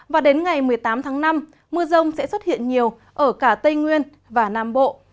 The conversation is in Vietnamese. và đến ngày một mươi tám tháng năm mưa rông sẽ xuất hiện nhiều ở cả tây nguyên và nam bộ